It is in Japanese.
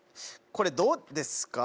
これどうですか？